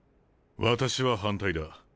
私は反対だ。